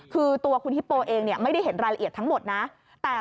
คือตัวคุณฮิปโปเองไม่ได้เห็นรายละเอียดทั้งหมดนะ